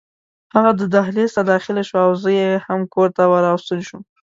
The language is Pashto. هغه دهلېز ته داخله شوه او زه هم کور ته راستون شوم.